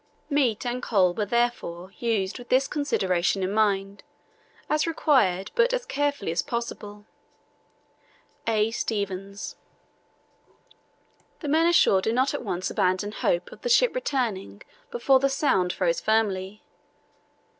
Meat and coal were, therefore, used with this consideration in mind, as required but as carefully as possible. "A. STEVENS." The men ashore did not at once abandon hope of the ship returning before the Sound froze firmly.